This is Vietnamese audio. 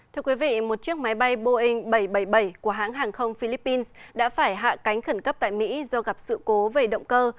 thưa quý vị một chiếc máy bay boeing bảy trăm bảy mươi bảy của hãng hàng không philippines đã phải hạ cánh khẩn cấp tại mỹ do gặp sự cố về động cơ